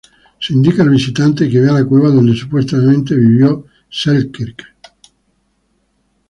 Se indica al visitante que vea la cueva donde supuestamente vivió Selkirk.